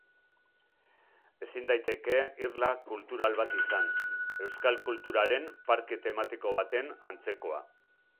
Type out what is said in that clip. Ezin daiteke irla kultural bat izan, euskal kulturaren parke tematiko baten antzekoa.